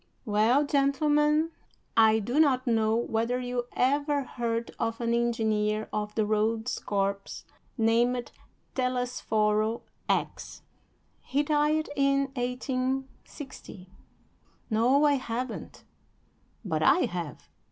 II. Well, gentlemen, I do not know whether you ever heard of an engineer of the roads corps named Telesforo X ; he died in 1860." "No; I haven't." "But I have."